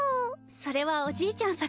それはおじいちゃん作。